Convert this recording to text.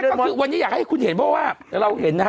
ก็คือวันนี้อยากให้คุณเห็นเพราะว่าเราเห็นนะฮะ